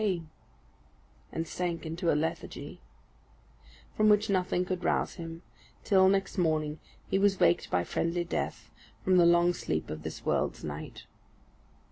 _" and sank into a lethargy, from which nothing could rouse him, till, next morning, he was waked by friendly death from the long sleep of this world's night.